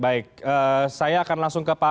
baik saya akan langsung ke pak